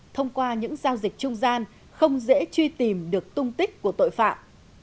thông qua những giao dịch trung gian không dễ truy tìm được tung tích của tội phạm